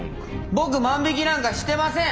僕万引きなんかしてません。